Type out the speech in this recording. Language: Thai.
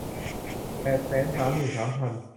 แปดแสนสามหมื่นสามพัน